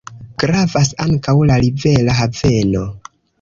Gravas ankaŭ la rivera haveno.